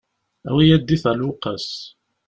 Awi-add-it ɣel Uwqas.